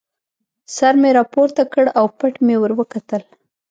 سر مې را پورته کړ او پټ مې ور وکتل.